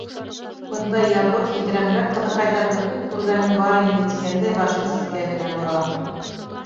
Бындай ябыҡ һикерәнләк ҡыҙыҡайҙарҙы күп күргәнем бар инде, тигәндәй башын ситкә генә бора.